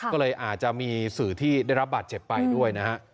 ก็เลยอาจจะมีสื่อที่ได้รับบาดเจ็บไปด้วยนะฮะ